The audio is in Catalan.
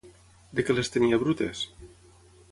De què les tenia brutes?